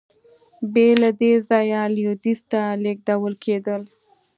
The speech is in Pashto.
بیا له دې ځایه لوېدیځ ته لېږدول کېدل.